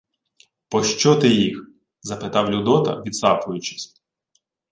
— Пощо ти їх? — запитав Людота, відсапуючись.